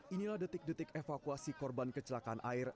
inilah detik detik evakuasi korban kecelakaan air